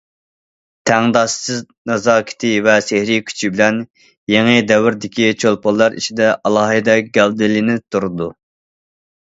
تەڭداشسىز نازاكىتى ۋە سېھرىي كۈچى بىلەن يېڭى دەۋردىكى چولپانلار ئىچىدە ئالاھىدە گەۋدىلىنىپ تۇرىدۇ.